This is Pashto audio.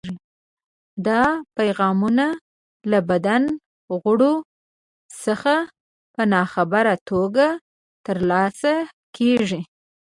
دا پیغامونه له بدن غړو څخه په ناخبره توګه ترلاسه کېږي.